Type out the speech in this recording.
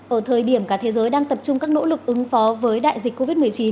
ở thời điểm cả thế giới đang tập trung các nỗ lực ứng phó với đại dịch covid một mươi chín